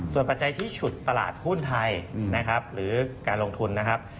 ส่วนปัจจัยที่ฉุดตลาดหุ้นไทยนะครับหรือการลงทุนนะครับ